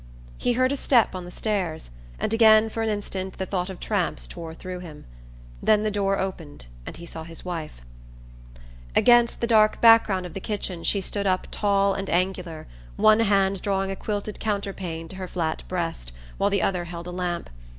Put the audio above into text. He heard a step on the stairs, and again for an instant the thought of tramps tore through him. Then the door opened and he saw his wife. Against the dark background of the kitchen she stood up tall and angular, one hand drawing a quilted counterpane to her flat breast, while the other held a lamp.